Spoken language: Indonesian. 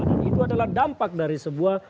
dan itu adalah dampak dari seluruh negara